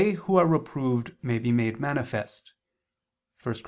. who are reproved may be made manifest" (1 Cor.